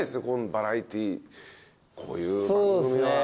バラエティーこういう番組は。